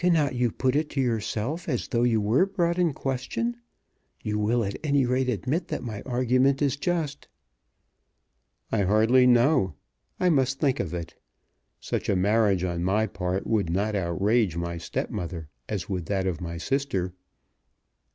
"Cannot you put it to yourself as though you were brought in question? You will at any rate admit that my argument is just." "I hardly know. I must think of it. Such a marriage on my part would not outrage my stepmother, as would that of my sister."